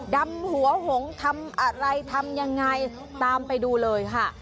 ดำหัวหงทำอะไรทำยังไงตามไปดูเลยค่ะ